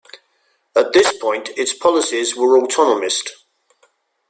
At this point, its policies were autonomist.